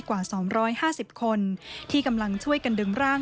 กว่า๒๕๐คนที่กำลังช่วยกันดึงร่าง